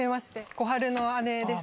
小春の姉です。